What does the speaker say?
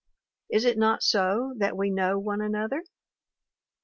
Is it not so that we know one another?